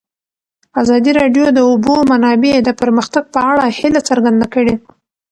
ازادي راډیو د د اوبو منابع د پرمختګ په اړه هیله څرګنده کړې.